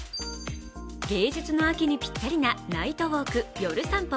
芸術の秋にぴったりな、ナイトウォーク夜さんぽ。